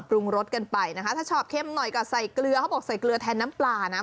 ปรุงรสกันไปนะคะถ้าชอบเข้มหน่อยก็ใส่เกลือเขาบอกใส่เกลือแทนน้ำปลานะ